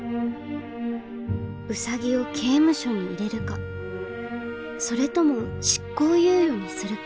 ウサギを刑務所に入れるかそれとも執行猶予にするか。